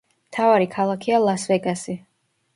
მთავარი ქალაქია ლას-ვეგასი.